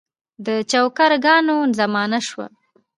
د چوکره ګانو زمانه شوه.